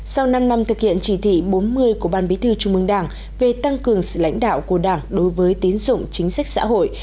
sau năm năm thực hiện chỉ thị bốn mươi của ban bí thư trung mương đảng về tăng cường sự lãnh đạo của đảng đối với tín dụng chính sách xã hội